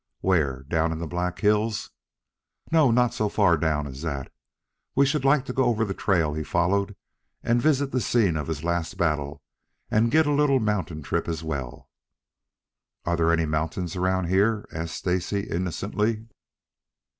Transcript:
"Where, down in the Black Hills?" "No, not so far down as that. We should like to go over the trail he followed and visit the scene of his last battle and get a little mountain trip as well " "Are there any mountains around here?" asked Stacy innocently.